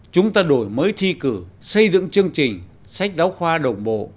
chúng ta đổi mới thi cử xây dựng chương trình sách giáo khoa đồng bộ